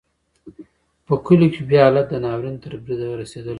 په کلیو کې بیا حالت د ناورین تر بریده رسېدلی و.